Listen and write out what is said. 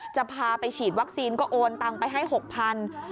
จะพาไปฉีดวัคซีนก็โอนตังไปให้๖๐๐บาท